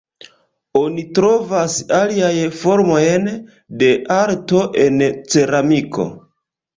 Oni trovas aliaj formojn de arto en ceramiko.